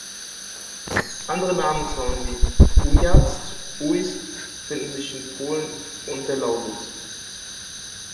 Andere Namensformen wie "Ujazd", "Uhyst", finden sich in Polen und der Lausitz.